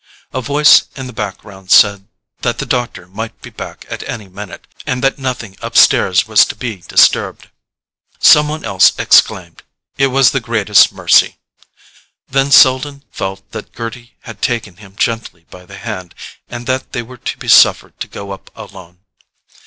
A voice in the background said that the doctor might be back at any minute—and that nothing, upstairs, was to be disturbed. Some one else exclaimed: "It was the greatest mercy—" then Selden felt that Gerty had taken him gently by the hand, and that they were to be suffered to go up alone.